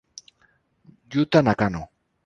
Yuta Nakano